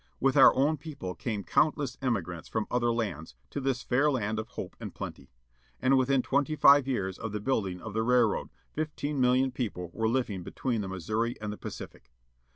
With our own people came count less emigrants from other lands, to this fair land of hope and plenty. And within twenty five years of the building of the railroad fifteen million people were living between the Missouri and the Pacific.